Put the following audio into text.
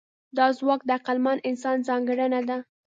دا ځواک د عقلمن انسان ځانګړنه ده.